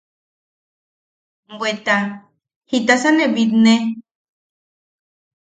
Bweta ¡Jitasa ne bwitine!